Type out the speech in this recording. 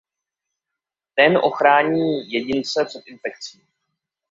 Ten ochrání jedince před infekcí.